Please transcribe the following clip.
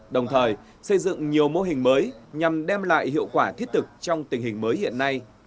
đồng thời xây dựng nhiều mô hình mới nhằm đem lại hiệu quả thiết thực trong tình hình mới hiện nay